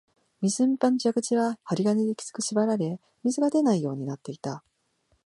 水飲み場の蛇口は針金できつく縛られ、水が出ないようになっていた